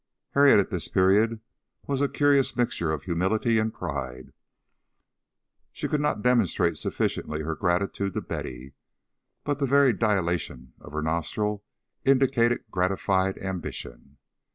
Harriet at this period was a curious mixture of humility and pride. She could not demonstrate sufficiently her gratitude to Betty, but the very dilation of her nostril indicated gratified ambition.